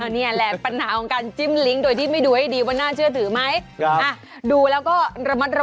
นี่แหละปัญหาของการจิ้มลิงก์โดยที่ไม่ดูให้ดีว่าจะเชื่อถือไหม